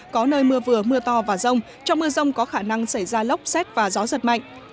có nơi mưa vừa mưa to và rông trong mưa rông có khả năng xảy ra lốc xét và gió giật mạnh